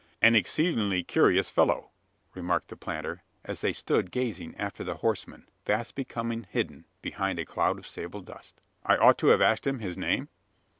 "An exceedingly curious fellow!" remarked the planter, as they stood gazing after the horseman, fast becoming hidden behind a cloud of sable dust. "I ought to have asked him his name?"